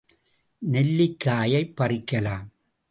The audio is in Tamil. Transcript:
நெல்லிக் காயைப் பறிக்கலாம்.